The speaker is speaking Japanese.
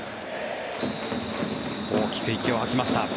大きく息を吐きました。